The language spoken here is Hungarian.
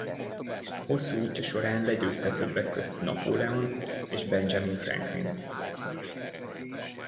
Hosszú útja során legyőzte többek közt Napóleont és Benjamin Franklint.